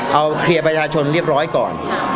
เอาเคลียร์ประชาชนเรียบร้อยก่อน